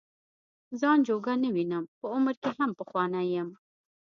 ځان جوګه نه وینم په عمر کې هم پخوانی یم.